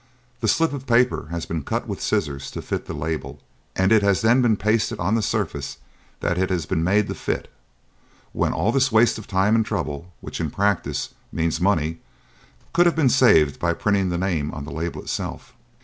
The slip of paper has been cut with scissors to fit the label, and it has then been pasted on to the surface that it has been made to fit, when all this waste of time and trouble which, in practice, means money could have been saved by printing the name on the label itself."